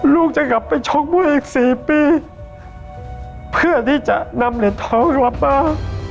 ลูกจะกลับไปชกมวยอีกสี่ปีเพื่อที่จะนำเหรียญทองกลับมา